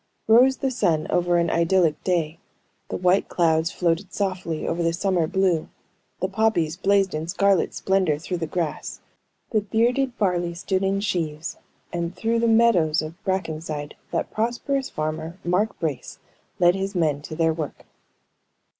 Rose the sun over an idyllic day; the white clouds floated softly over the summer blue; the poppies blazed in scarlet splendor through the grass; the bearded barley stood in sheaves, and through the meadows of Brackenside, that prosperous farmer, Mark Brace, led his men to their work.